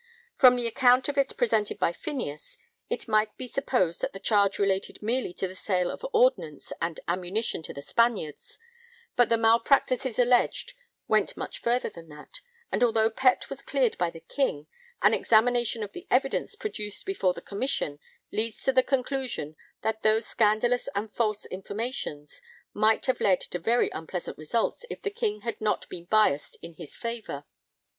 From the account of it presented by Phineas it might be supposed that the charge related merely to the sale of ordnance and ammunition to the Spaniards, but the malpractices alleged went much further than that; and, although Pett was cleared by the King, an examination of the evidence produced before the Commission leads to the conclusion that 'those scandalous and false informations' might have led to very unpleasant results if the King had not been biased in his favour.